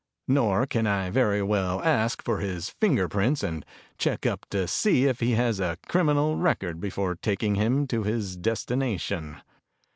Nor can I very well ask for his finger prints and check up to see if he has a criminal record before taking him to his destination."